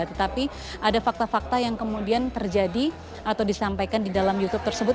tetapi ada fakta fakta yang kemudian terjadi atau disampaikan di dalam youtube tersebut